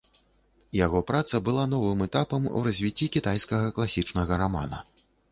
Яго праца была новым этапам у развіцці кітайскага класічнага рамана.